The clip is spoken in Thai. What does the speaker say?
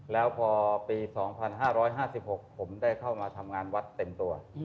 แล้วพอปี๒๕๕๖ผมได้เข้ามาทำงานวัดเต็มตัว